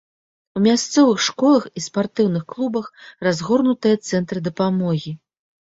У мясцовых школах і спартыўных клубах разгорнутыя цэнтры дапамогі.